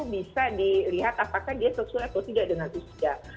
bisa dilihat apakah dia sesuai atau tidak dengan usia